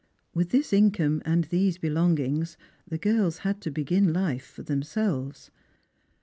With this income, and these ha ngings, the girls had to begin life for themselves.